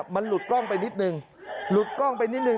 มันหลุดกล้องไปนิดนึงหลุดกล้องไปนิดนึ